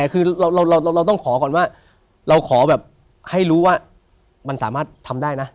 ขอ๑๒งานงานละแสนสาม